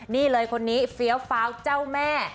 นี่เลยคนนี้เฟี้ยวฟ้าวเจ้าแม่